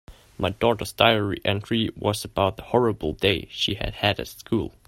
My daughter's diary entry was about the horrible day she had had at school.